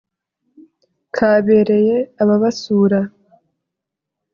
kabereye ababasuura